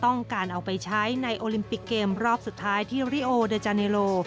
ต้องการเอาไปใช้ในโอลิมปิกเกมรอบสุดท้ายที่ริโอเดอร์จาเนโล